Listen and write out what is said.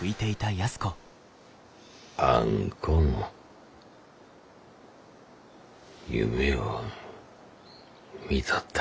あんこの夢を見とった。